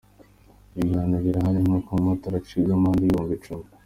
Ati “ Ibihano birahari ni uko umumotari acibwa amande y’ibihumbi icumi.